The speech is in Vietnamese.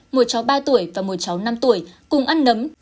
một cháu ba tuổi và một cháu năm tuổi cùng ăn nấm